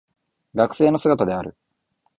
学生の姿である